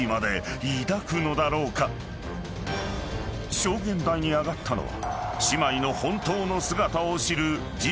［証言台に上がったのは］